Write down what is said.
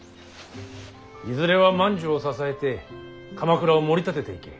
いずれは万寿を支えて鎌倉をもり立てていけ。